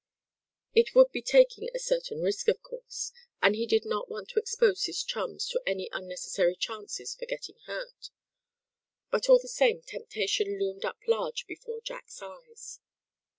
It would be taking a certain risk of course, and he did not want to expose his chums to any unnecessary chances for getting hurt; but all the same temptation loomed up large before Jack's eyes.